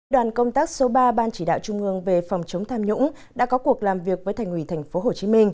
đoàn công tác số ba ban chỉ đạo trung ương về phòng chống tham nhũng đã có cuộc làm việc với thành ủy tp hcm